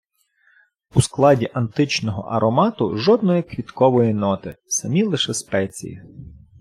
У складі античного аромату – жодної квіткової ноти, самі лише спеції.